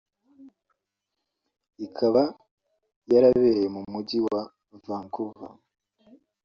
ikaba yarabereye mu Mujyi wa Vancouver